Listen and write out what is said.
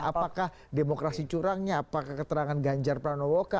apakah demokrasi curangnya apakah keterangan ganjar pranowocha